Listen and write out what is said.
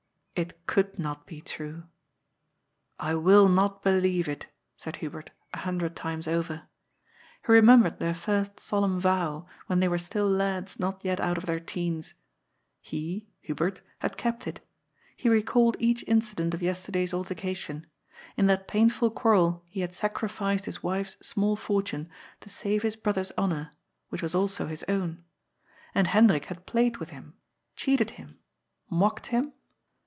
It could not be true. " I will not believe it," said Hu bert, a hundred times over. He remembered their first solemn vow, when they were still lads not yet out of their teens. He— Hubert — had kept it. He recalled each incident of yesterday's altercation. In that painful quarreL he had sacrificed his wife's small fortune to save his broth er's honour, which was also his own. And Hendrik had played with him, cheated him, mocked him